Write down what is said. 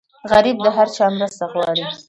غریب د هر چا مرسته غواړي